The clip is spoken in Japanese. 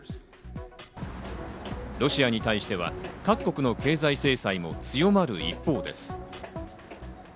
ロシアに対しては各国の経済制裁も強まる一方です。